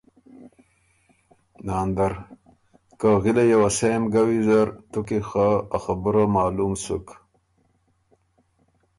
ناندر ـــ که غِلئ یه وه سېم ګه ویزر تو کی خه آ خبُره معلوم سُک